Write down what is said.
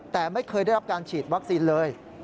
แต่ไม่เคยได้รับการฉีดวัคซีนเลย